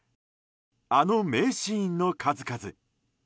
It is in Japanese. あの名シーンの数々。